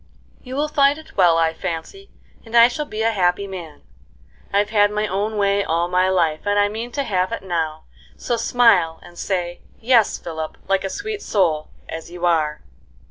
You will fill it well, I fancy, and I shall be a happy man. I've had my own way all my life, and I mean to have it now, so smile, and say, 'Yes, Philip,' like a sweet soul, as you are."